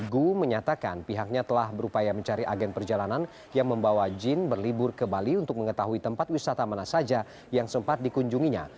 gu menyatakan pihaknya telah berupaya mencari agen perjalanan yang membawa jin berlibur ke bali untuk mengetahui tempat wisata mana saja yang sempat dikunjunginya